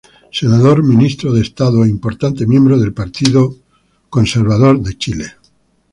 Senador, ministro de Estado e importante miembro del Partido Conservador de Chile.